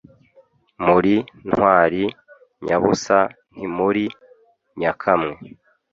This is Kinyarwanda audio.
muli ntwali nyabusa ntimuli nyakamwe